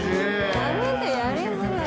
やめてやりづらい。